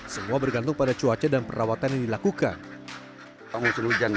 semua bergantung pada cuaca dan perawatan yang dilakukan